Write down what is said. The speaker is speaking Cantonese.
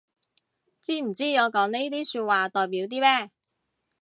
知唔知我講呢啲說話代表啲咩